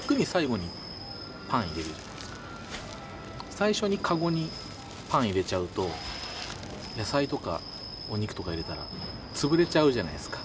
最初にかごにパン入れちゃうと野菜とかお肉とか入れたら潰れちゃうじゃないですか。